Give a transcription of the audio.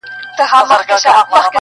زنده باد سې اورېدلای-